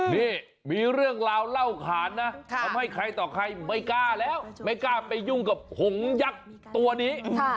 นี้มีเรื่องราวเล่าขาดนะเอาให้ใครต่อใครไม่กลัวแล้วไปยุ่งหงหยักตัวนี้